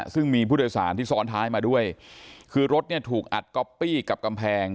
ซึ่งมีผู้โดยสารที่ซ้อนท้ายมาด้วยคือรถเนี่ยถูกอัดก๊อปปี้กับกำแพง